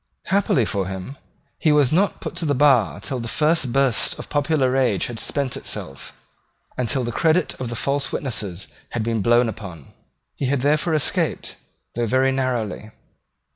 Happily for him, he was not put to the bar till the first burst of popular rage had spent itself, and till the credit of the false witnesses had been blown upon. He had therefore escaped, though very narrowly.